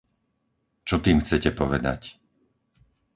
Čo tým chcete povedať?